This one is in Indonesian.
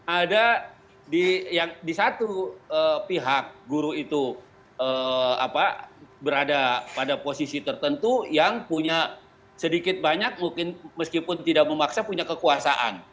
ada di satu pihak guru itu berada pada posisi tertentu yang punya sedikit banyak mungkin meskipun tidak memaksa punya kekuasaan